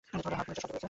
Heart monitor শব্দ করছে!